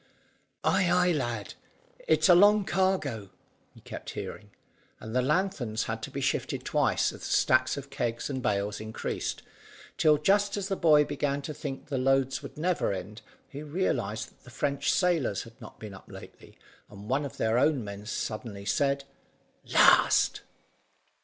"Ay, ay, lad, it's a long cargo," he kept hearing; and the lanthorns had to be shifted twice as the stacks of kegs and bales increased, till just as the boy began to think the loads would never end, he realised that the French sailors had not been up lately, and one of their own men suddenly said "Last!"